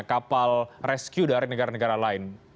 kapal rescue dari negara negara lain